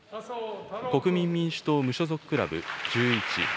国民民主党・無所属クラブ１１。